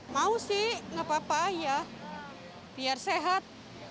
mau sih nggak apa apa ya biar sehat